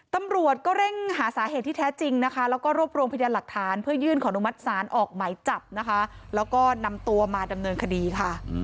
ตำรวจก็เร่งหาสาเหตุที่แท้จริงนะคะแล้วก็รวบรวมพยานหลักฐานเพื่อยื่นขออนุมัติศาลออกหมายจับนะคะแล้วก็นำตัวมาดำเนินคดีค่ะ